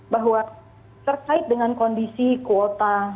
bahwa terkait dengan kondisi kuota